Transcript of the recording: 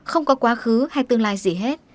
không có quá khứ hay tương lai gì hết